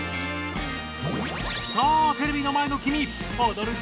さあテレビの前のきみ！